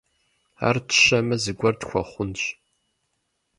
Ар тщэмэ, зыгуэр тхуэхъунщ.